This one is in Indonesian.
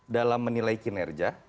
dalam menilai kinerja